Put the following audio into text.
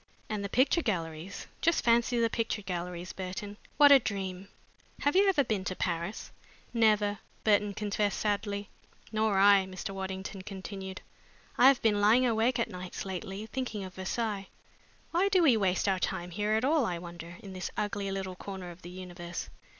And the picture galleries just fancy the picture galleries, Burton! What a dream! Have you ever been to Paris?" "Never," Burton confessed sadly. "Nor I," Mr. Waddington continued. "I have been lying awake at nights lately, thinking of Versailles. Why do we waste our time here at all, I wonder, in this ugly little corner of the universe?"